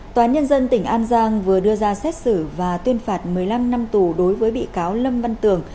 tòa án nhân dân tỉnh an giang vừa đưa ra xét xử và tuyên phạt một mươi năm năm tù đối với bị cáo lâm văn tường